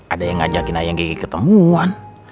ada yang ngajakin ayang kiki ketemuan